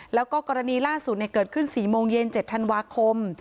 แล้วก็กรณีล่าสุดเกิดขึ้น๔โมงเย็น๗ธันวาคม